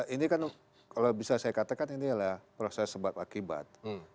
ini kan kalau bisa saya katakan ini adalah proses sebab akibat